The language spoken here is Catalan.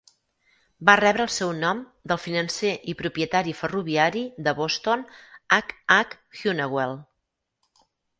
Va rebre el seu nom del financer i propietari ferroviari de Boston, H. H. Hunnewell.